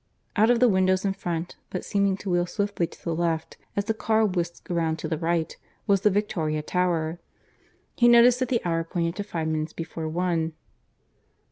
Out of the windows in front, but seeming to wheel swiftly to the left as the car whisked round to the right, was the Victoria Tower. He noticed that the hour pointed to five minutes before one.